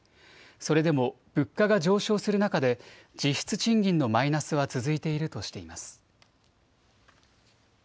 それでも物価が上昇する中で実質賃金のマイナスは続いているとしています。